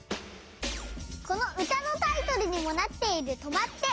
このうたのタイトルにもなっている「とまって！」。